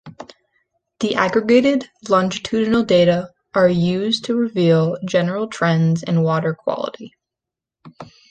The aggregated longitudinal data are used to reveal general trends in water quality.